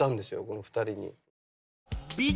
この２人に。